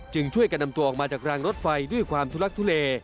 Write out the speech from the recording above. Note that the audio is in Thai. ช่วยกันนำตัวออกมาจากรางรถไฟด้วยความทุลักทุเล